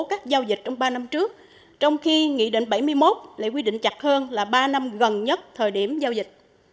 các giao dịch trong ba năm trước trong khi nghị định bảy mươi một lại quy định chặt hơn là ba năm gần nhất thời điểm giao dịch